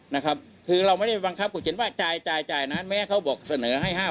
นะครับคือเราไม่ได้บังคับคุณเขียนว่าจ่ายจ่ายนั้นแม้เขาบอกเสนอให้๕๐๐